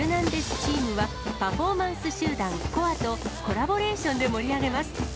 チームは、パフォーマンス集団、鼓和とコラボレーションで盛り上げます。